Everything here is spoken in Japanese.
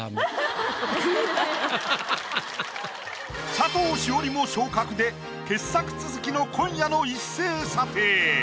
佐藤詩織も昇格で傑作続きの今夜の一斉査定。